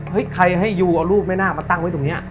ใครให้ยูเอารูปแม่นาคมาตั้งไว้ตรงนี้